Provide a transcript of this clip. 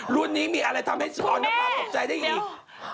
รุ่นนี้มีอะไรทำให้ออนภาตกใจได้อีก